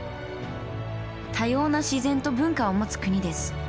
多様な自然と文化を持つ国です。